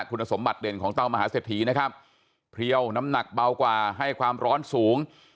คุณสมบัติเด่นของเต้ามหาเศรษฐีนะครับเพลียวน้ำหนักเบากว่าให้ความร้อนสูง